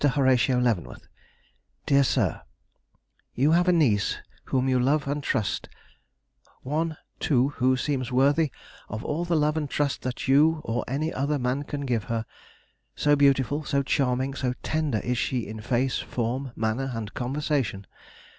HORATIO LEAVENWORTH: "DEAR SIR, You have a niece whom you love and trust, one, too, who seems worthy of all the love and trust that you or any other man can give her; so beautiful, so charming, so tender is she in face, form, manner, and conversation.